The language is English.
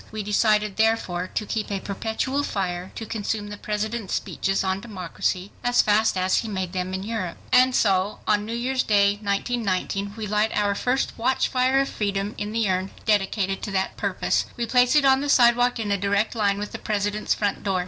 We decided therefore to keep a perpetual fire to consume the President's speeches on democracy as fast as he made them in Europe. And so on New Year's Day, 1919, we light our first watchfire of freedom in the Urn dedicated to that purpose. We place it on the sidewalk in a direct line with the President's front door.